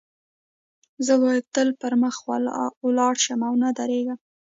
زه باید تل پر مخ ولاړ شم او و نه درېږم